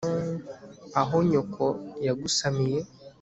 aho nyoko yagusamiye